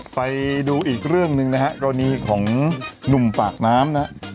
ไปดูอีกเรื่องหนึ่งนะฮะกรณีของหนุ่มปากน้ำนะครับ